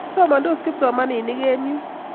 Somandos kipsomaninik eng' yun